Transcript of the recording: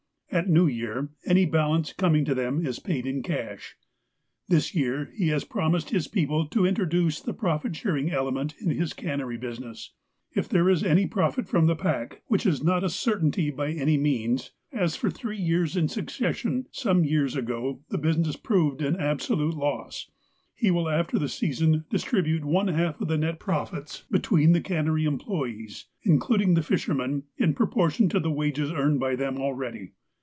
At New Year, any balance coming to them is paid in cash. This year he has promised his people to introduce the profit sharing element in his cannery business. If there is any profit from the pack, which is not a certainty, by any means, as for three years in succession, some years ago, the business proved an absolute loss, he will after the season distribute one half of the net profits between the cannery employees, including the fishermen, in pro portion to the wages earned by them already.